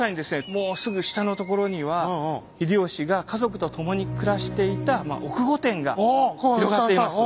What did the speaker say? もうすぐ下のところには秀吉が家族と共に暮らしていた奥御殿が広がっています。